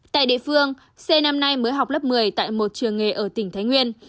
tại địa phương c năm nay mới học lớp một mươi tại một trường nghề ở tỉnh thái nguyên